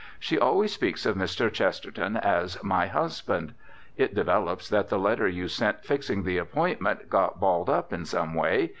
She always speaks of Mr. Chesterton as "my husband." It develops that the letter you sent fixing the appointment got balled up in some way.